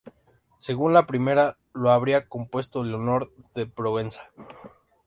Según la primera, lo habría compuesto Leonor de Provenza.